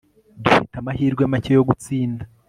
dufite amahirwe make yo gutsinda